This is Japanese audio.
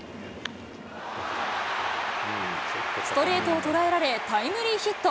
ストレートを捉えられ、タイムリーヒット。